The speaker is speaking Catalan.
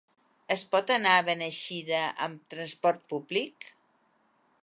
Es pot anar a Beneixida amb transport públic?